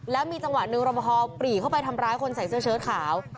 แล้วมีจังหวะหนึ่งรบพอปรีเข้าไปทำร้ายคนใส่เสื้อเชิดขาว